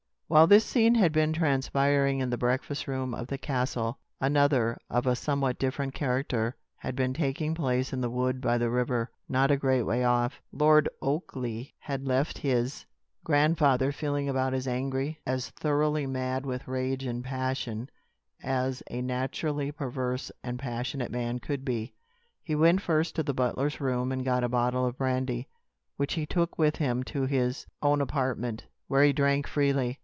While this scene had been transpiring in the breakfast room of the castle, another, of a somewhat different character, had been taking place in the wood by the river, not a great way off. Lord Oakleigh had left his grandfather feeling about as angry as thoroughly mad with rage and passion as a naturally perverse and passionate man could be. He went first to the butler's room and got a bottle of brandy, which he took with him to his own apartment, where he drank freely.